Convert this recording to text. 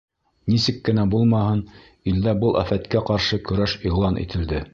Нисек кенә булмаһын, илдә был афәткә ҡаршы көрәш иғлан ителде.